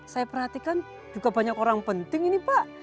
saya perhatikan juga banyak orang penting ini pak